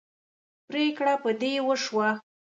پرېکړه په دې وشوه.